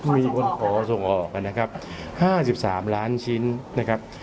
มีคนขอส่งออกอะนะครับห้าสิบสามล้านชิ้นนะครับ